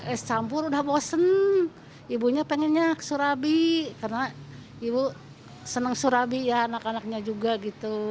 es campur udah bosen ibunya pengennya ke surabi karena ibu senang surabi ya anak anaknya juga gitu